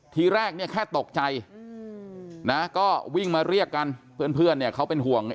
ทีแรกเนี่ยแค่ตกใจนะก็วิ่งมาเรียกกันเพื่อนเนี่ยเขาเป็นห่วง